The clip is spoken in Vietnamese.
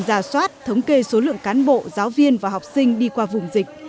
ra soát thống kê số lượng cán bộ giáo viên và học sinh đi qua vùng dịch